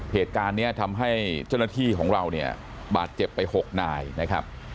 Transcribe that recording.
เหตุการณ์นี้ทำให้เจ้าหน้าที่ของเราเนี่ยบาดเจ็บไป๖นายนะครับ